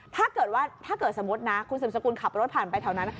ถ้าเกิดว่าถ้าเกิดสมมตินะคุณสมสกุลขับรถผ่านไปแถวนั้น